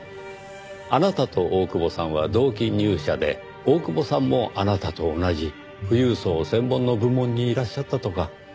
あなたと大久保さんは同期入社で大久保さんもあなたと同じ富裕層専門の部門にいらっしゃったとか。